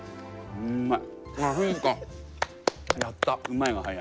うんまい。